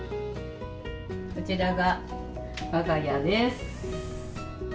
こちらが我が家です。